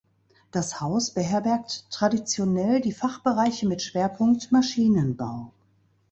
Das Haus beherbergt traditionell die Fachbereiche mit Schwerpunkt Maschinenbau.